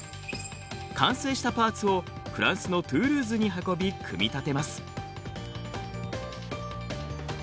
完成したパーツをフランスのトゥールーズに運び組み立てます。